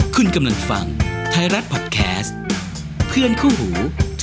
คุณกำลังฟังไทยรัฐพอดแคสต์เพื่อนคู่หู